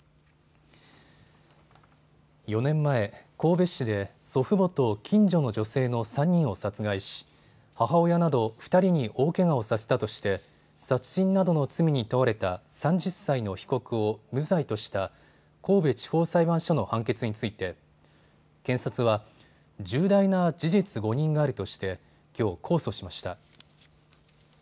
４年前、神戸市で祖父母と近所の女性の３人を殺害し、母親など２人に大けがをさせたとして殺人などの罪に問われた３０歳の被告を無罪とした神戸地方裁判所の判決について検察は重大な事実誤認があるとしてきょう控訴しました。